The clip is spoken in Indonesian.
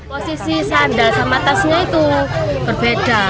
posisi sandal sama tasnya itu berbeda